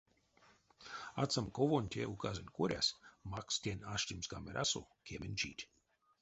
Ацамковонь те указонть коряс макссть тень аштемс камерасо кемень чить.